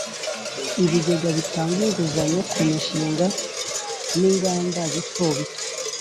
ibigega bitanga inguzanyo ku mishinga n'inganda bito bito;